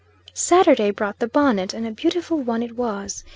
Saturday brought the bonnet, and a beautiful one it was.